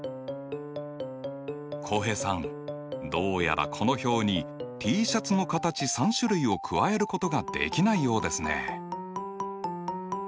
浩平さんどうやらこの表にＴシャツの形３種類を加えることができないようですね。